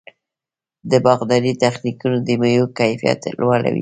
د باغدارۍ تخنیکونه د مېوو کیفیت لوړوي.